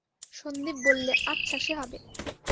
— সন্দীপ বললে, আচ্ছা, সে হবে।